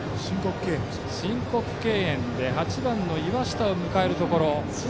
申告敬遠で８番の岩下を迎えるところ。